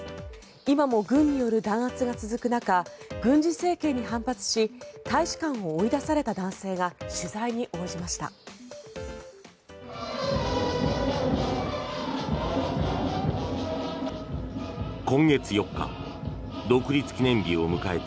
今も軍による弾圧が続く中軍事政権に反発し大使館を追い出された男性が取材に応じました。